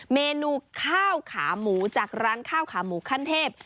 เมนูข้าวขาหมูจากร้านข้าวขาหมูขั้นเทพ